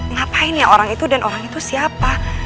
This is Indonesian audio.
ngapain ya orang itu dan orang itu siapa